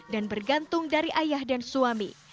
dan bergantung dari ayah dan suami